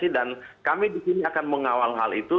dan kami di sini akan mengawal hal itu